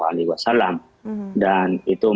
dan itu mencintai